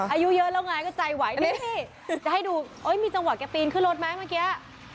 อายุเยอะแล้วไงก็ใจไหวนี่จะให้ดูมีจังหวะแกปีนขึ้นรถไหมเมื่อกี้